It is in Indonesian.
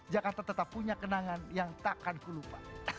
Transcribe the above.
jakarta tetap punya kenangan yang takkan ku lupa